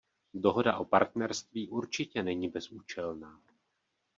Dohoda o partnerství určitě není bezúčelná.